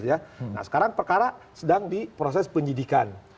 nah sekarang perkara sedang di proses penyidikan